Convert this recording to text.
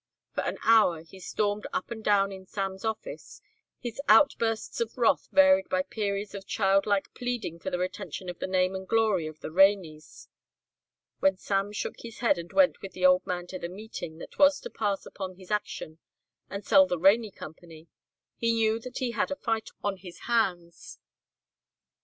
For an hour he stormed up and down in Sam's office, his outbursts of wrath varied by periods of childlike pleading for the retention of the name and glory of the Raineys. When Sam shook his head and went with the old man to the meeting that was to pass upon his action and sell the Rainey Company, he knew that he had a fight on his hands.